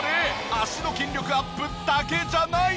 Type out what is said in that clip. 脚の筋力アップだけじゃない。